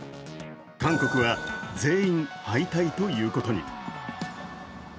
韓国は全員敗退ということに。